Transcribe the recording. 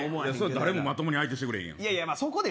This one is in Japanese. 誰もまともに相手してくれへんやん。